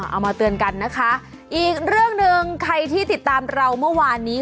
เอามาเตือนกันนะคะอีกเรื่องหนึ่งใครที่ติดตามเราเมื่อวานนี้